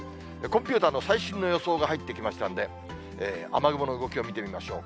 コンピューターの最新の予想が入ってきましたんで、雨雲の動きを見てみましょう。